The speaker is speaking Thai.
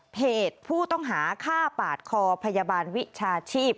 ผู้ต้องหาฆ่าปาดคอพยาบาลวิชาชีพ